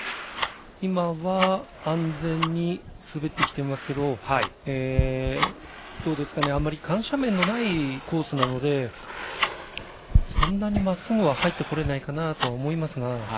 今は安全に滑ってきてますけどあんまり緩斜面のないコースなのでそんなにまっすぐは入ってこれないかなと思いますが。